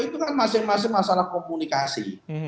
itu kan masing masing masalah komunikasi